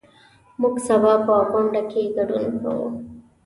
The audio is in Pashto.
موږ سبا په غونډه کې ګډون کوو.